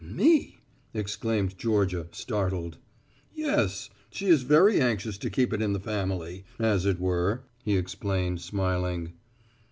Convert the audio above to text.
"Me!" exclaimed Georgia, startled. "Yes. She is very anxious to keep it in the family, as it were," he explained, smiling.